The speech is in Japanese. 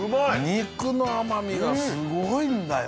肉の甘みがすごいんだよ